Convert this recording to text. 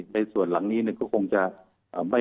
ในส่วนหลังนี้เนี่ยก็คงจะ